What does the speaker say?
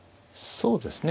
そうですね。